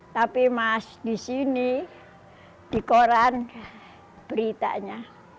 tapi mas di sini di koran beritanya